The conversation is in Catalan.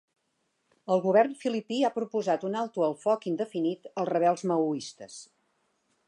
El govern filipí ha proposat un alto el foc indefinit als rebels maoistes